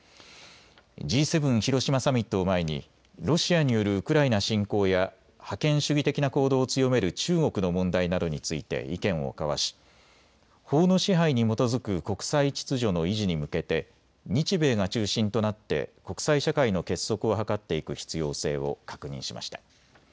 Ｇ７広島サミットを前にロシアによるウクライナ侵攻や覇権主義的な行動を強める中国の問題などについて意見を交わし法の支配に基づく国際秩序の維持に向けて日米が中心となって国際社会の結束を図っていく必要性を確認しました。